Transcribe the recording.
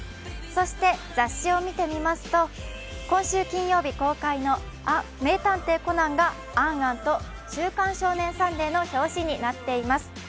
そして雑誌を見てみますと今週金曜日公開の「名探偵コナン」が「ａｎ・ａｎ」と「週刊少年サンデー」の表紙になっています。